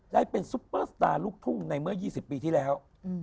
ได้เป็นซุปเปอร์สตาร์ลูกทุ่งในเมื่อ๒๐ปีที่แล้ว